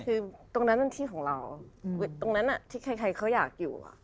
คือตรงนั้นเป็นที่ของเราตรงนั้นที่ใครเขาอยากอยู่